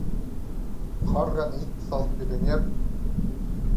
Хаарған ит сал пиріңер.